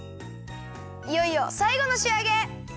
いよいよさいごのしあげ！